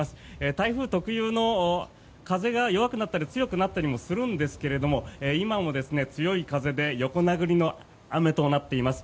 台風特有の、風が弱くなったり強くなったりもするんですが今も強い風で横殴りの雨となっています。